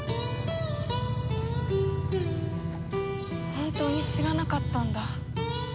本当に知らなかったんだ。